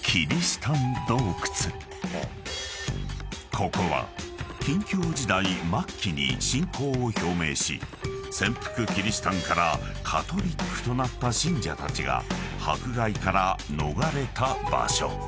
［ここは禁教時代末期に信仰を表明し潜伏キリシタンからカトリックとなった信者たちが迫害から逃れた場所］